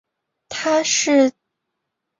她是帝喾长子帝挚的母亲。